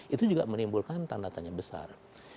itu juga menimbulkan tanda tanya besar